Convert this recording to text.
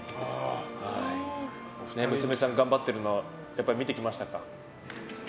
娘さんが頑張っているのをやっぱり見てきましたか。